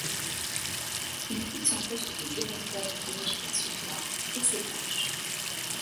Il quitte son poste de directeur de collège près de Sofia, et ses proches.